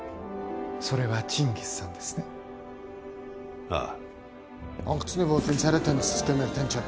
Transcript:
それはチンギスさんですねああ